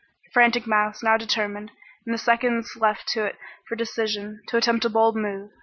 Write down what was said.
The frantic mouse now determined, in the seconds left to it for decision, to attempt a bold move.